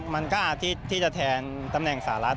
มันก็อาทิตย์ที่จะแทนตำแหน่งสหรัฐ